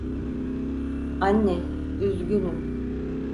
Anne, üzgünüm.